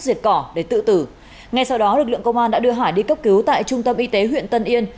diệt cỏ để tự tử ngay sau đó lực lượng công an đã đưa hải đi cấp cứu tại trung tâm y tế huyện tân yên